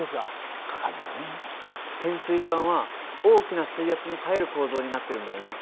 潜水艦は大きな水圧に耐える構造になってるんだよね。